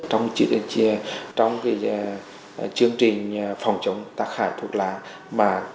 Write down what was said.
trong chương trình phòng chống tác hại thuốc lá